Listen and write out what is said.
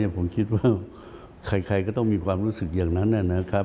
ผมคิดว่าใครก็ต้องมีความรู้สึกอย่างนั้นนะครับ